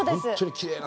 きれいな。